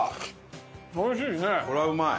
これはうまい。